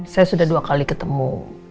saya sudah dua kali ketemu